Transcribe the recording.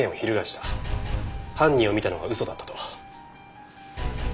犯人を見たのは嘘だったと。